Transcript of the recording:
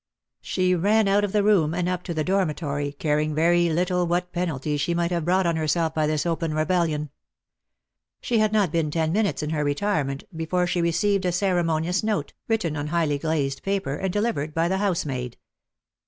She ran out of the room, and up to the dormitory, caring very little what penalties she might have brought on herself by this open rebellion. She had not been ten minutes in her retirement before she received a ceremonious note, written on highly glazed paper, and delivered by the housemaid.